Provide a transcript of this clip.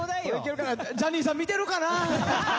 ジャニーさん見てるかな。